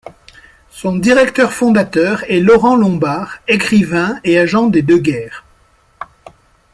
Son directeur-fondateur est Laurent Lombard, écrivain et agent des deux guerres.